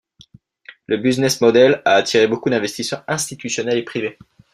Le business model a attiré beaucoup d'investisseurs institutionnels et privés.